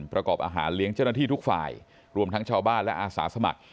ประกอบอาหารเลี้ยงเจ้าหน้าที่ทุกฝ่ายรวมทั้งชาวบ้านและอาสาสมัคร